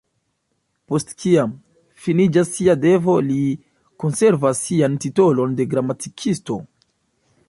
Post kiam, finiĝas sia devo, li konservas sian titolon de "Gramatikisto".